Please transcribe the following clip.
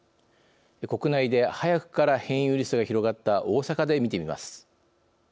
国内で早くから変異ウイルスが広がった大阪で見てみます。